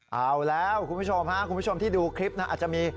เอาแล้วคุณผู้ชมที่ดูคลิปน่ะอาจจะมี